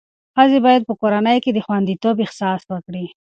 ښځې باید په کورنۍ کې د خوندیتوب احساس وکړي.